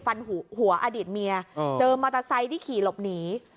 ฟันหัวอดีตเมียเจอมอเตอร์ไซค์ที่ขี่หลบหนี